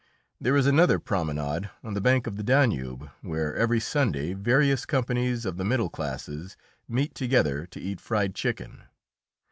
There is another promenade on the bank of the Danube, where every Sunday various companies of the middle classes meet together to eat fried chicken.